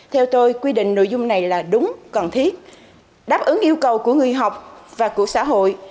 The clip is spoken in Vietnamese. theo tôi quy định nội dung này là đúng cần thiết đáp ứng yêu cầu của người học và của xã hội